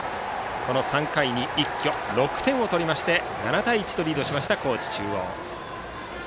この３回に一挙６点を取りまして７対１とリードしました高知中央。